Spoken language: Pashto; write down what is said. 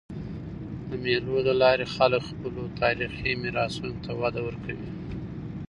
د مېلو له لاري خلک خپلو تاریخي میراثونو ته وده ورکوي.